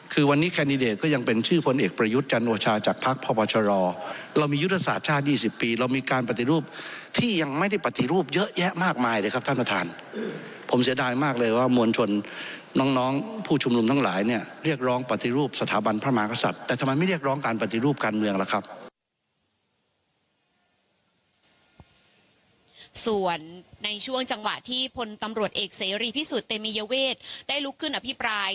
ส่วนในช่วงจังหวะที่พลตำรวจเอกเสรียรีพิสุทธิ์เตมีเยาเวทได้ลุกขึ้นอภิปราย